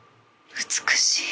美しい。